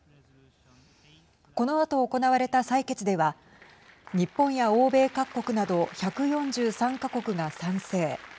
このあと行われた採決では日本や欧米各国など１４３か国が賛成